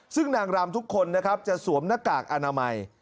ซึ่งนางรำทุกคนนะครับจะสวมหน้ากากอนามัย